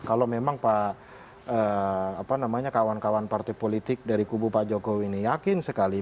kalau memang kawan kawan partai politik dari kubu pak jokowi ini yakin sekali